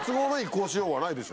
こうしようはないでしょ。